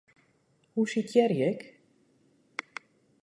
Hoe sitearje ik?